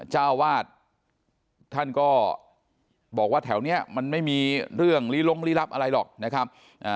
เจ้าวาดท่านก็บอกว่าแถวนี้มันไม่มีเรื่องลี้ลลี้ลับอะไรหรอกนะครับ